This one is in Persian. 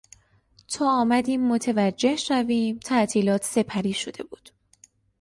تا آمدیم متوجه شویم تعطیلات سپری شده بود.